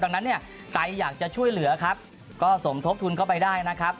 ดังนั้นเนี่ยใครอยากจะช่วยเหลือครับก็สมทบทุนเข้าไปได้นะครับ